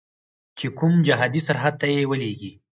چې کوم جهادي سرحد ته یې ولیږي.